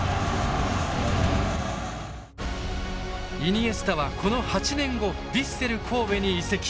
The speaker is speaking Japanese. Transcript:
イニエスタはこの８年後ヴィッセル神戸に移籍。